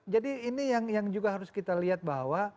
jadi ini yang juga harus kita lihat bahwa